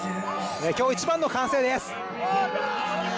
今日一番の歓声です。